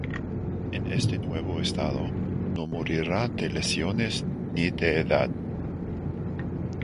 En este nuevo estado, no morirá de lesiones ni de edad.